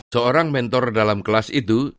seorang mentor dalam kelas itu